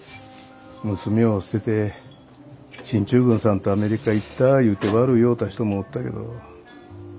娘ょお捨てて進駐軍さんとアメリカ行ったいうて悪う言ようた人もおったけど。